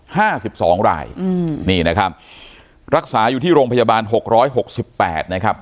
ห้าสิบสองรายอืมนี่นะครับรักษาอยู่ที่โรงพยาบาลหกร้อยหกสิบแปดนะครับ